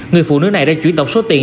người phụ nữ này đã chuyển tộc số tiền